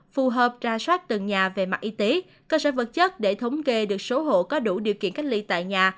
phù hợp ra soát từng nhà về mặt y tế cơ sở vật chất để thống kê được số hộ có đủ điều kiện cách ly tại nhà